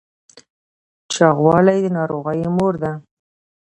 چاغوالی د ناروغیو مور ده